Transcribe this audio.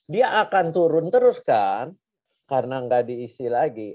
dia akan turun terus kan karena nggak diisi lagi